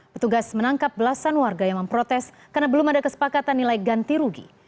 petugas menangkap belasan warga yang memprotes karena belum ada kesepakatan nilai ganti rugi